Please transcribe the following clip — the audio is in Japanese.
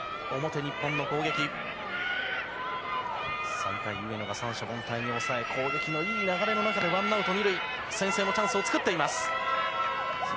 ３回、上野が三者凡退に抑え攻撃のいい流れの中でワンアウト２塁と先制のチャンスを作っています。